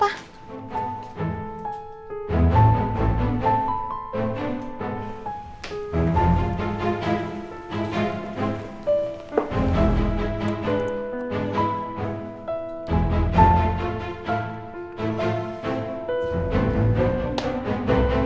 alhamdulillah syukur andin dan al sudah baikan